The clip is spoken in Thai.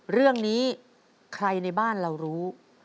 เรื่องนี้ใครในบ้านเรารู้